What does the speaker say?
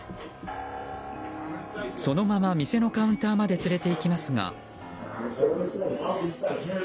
そのまま店のカウンターまで連れていきますが。